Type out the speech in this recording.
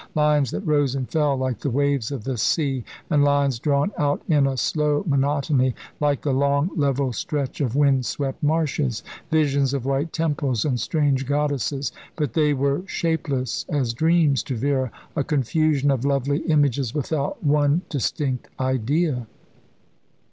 Lines that rose and fell like the waves of the sea; and lines drawn out in a slow monotony like the long, level stretch of wind swept marshes visions of white temples and strange goddesses; but they were shapeless as dreams to Vera a confusion of lovely images without one distinct idea.